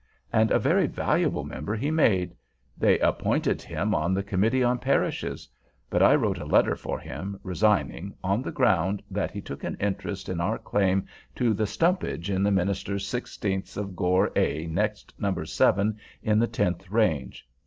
And a very valuable member he made. They appointed him on the Committee on Parishes; but I wrote a letter for him, resigning, on the ground that he took an interest in our claim to the stumpage in the minister's sixteenths of Gore A, next No. 7, in the 10th Range.